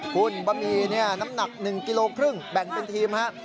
คุณบะหมี่เนี่ยน้ำหนัก๑กิโลครึ่งแบ่งเป็นทีมฮะ